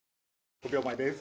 ５秒前です。